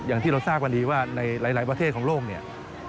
อย่างที่เราทราบกันดีว่าในหลายประเทศของโลกเนี่ย